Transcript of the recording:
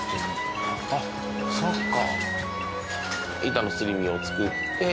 あっそっか。